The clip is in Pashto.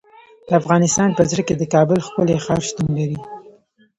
د افغانستان په زړه کې د کابل ښکلی ښار شتون لري.